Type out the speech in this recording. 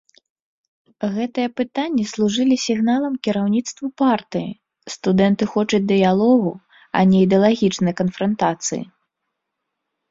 Гэтыя пытанні служылі сігналам кіраўніцтву партыі, студэнты хочуць дыялогу, а не ідэалагічнай канфрантацыі.